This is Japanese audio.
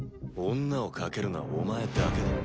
女を賭けるのはお前だけだ。